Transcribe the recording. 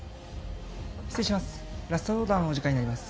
失礼します。